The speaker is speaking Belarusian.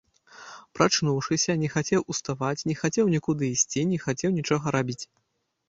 Прачнуўшыся, не хацеў уставаць, не хацеў нікуды ісці, не хацеў нічога рабіць.